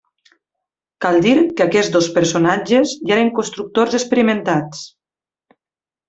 Cal dir que aquests dos personatges ja eren constructors experimentats.